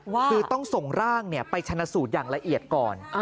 คือต้องส่งร่างไปชนะสูตรอย่างละเอียดก่อน